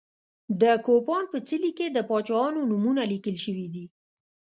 د کوپان په څلي کې د پاچاهانو نومونه لیکل شوي دي.